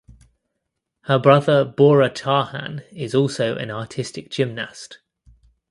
Her brother Bora Tarhan is also an artistic gymnast.